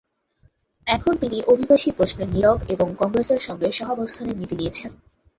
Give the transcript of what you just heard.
এখন তিনি অভিবাসী প্রশ্নে নীরব এবং কংগ্রেসের সঙ্গে সহাবস্থানের নীতি নিয়েছেন।